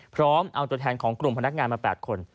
พร้อมเอาตัวแทนของกลุ่มพนักงานมา๘คน